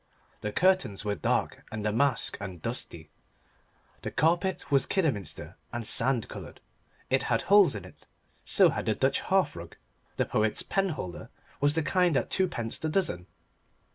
The curtains were dark and damask and dusty. The carpet was Kidderminster and sand coloured. It had holes in it; so had the Dutch hearthrug. The poet's penholder was the kind at twopence the dozen.